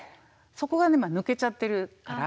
そこが今抜けちゃってるから。